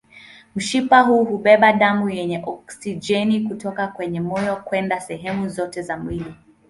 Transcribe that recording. Mshipa huu hubeba damu yenye oksijeni kutoka kwenye moyo kwenda sehemu zote za mwili.